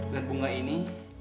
dan bunga ini